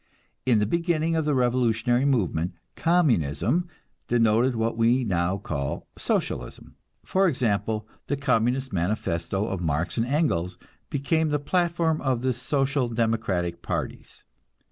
In the beginning of the revolutionary movement Communism denoted what we now call Socialism; for example, the Communist Manifesto of Marx and Engels became the platform of the Social democratic parties.